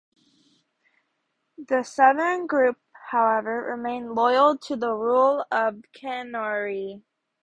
The southern group, however, remained loyal to the rule of Cannanore.